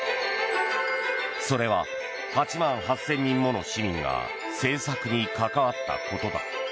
それは８万８０００人もの市民が製作に関わったことだ。